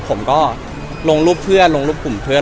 ผมก็ลงรูปเพื่อนลงรูปกลุ่มเพื่อน